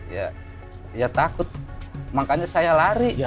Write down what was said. dan keluarga anda gak akan tenang nantinya